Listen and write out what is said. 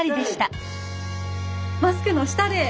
マスクの下で。